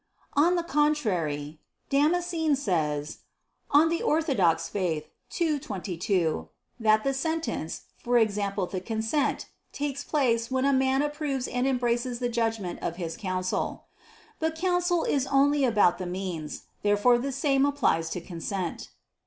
On the contrary, Damascene says (De Fide Orth. ii, 22) that the "sentence," i.e. the consent, takes place "when a man approves and embraces the judgment of his counsel." But counsel is only about the means. Therefore the same applies to consent.